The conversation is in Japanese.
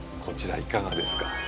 こちらいかがですか？